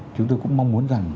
chúng tôi cũng mong muốn rằng